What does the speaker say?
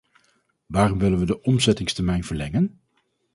Waarom willen we de omzettingstermijn verlengen?